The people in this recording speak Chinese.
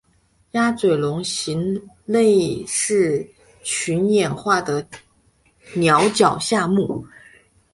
鸭嘴龙形类是群衍化的鸟脚下目。